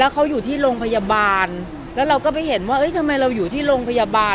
เขาอยู่ที่โรงพยาบาลแล้วเราก็ไปเห็นว่าทำไมเราอยู่ที่โรงพยาบาล